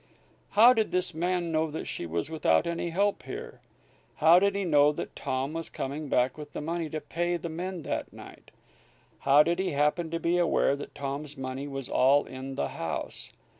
How did this man know that she was without any help here? How did he know that Tom was coming back with the money to pay the men that night? How did he happen to be aware that Tom's money was all in the house?